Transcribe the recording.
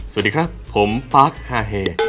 สวัสดีครับผมปาร์คฮาเฮ